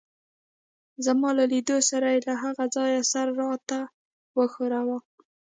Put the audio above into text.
زما له لیدو سره يې له هغه ځایه سر راته وښوراوه.